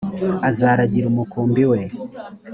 azaragira umukumbi we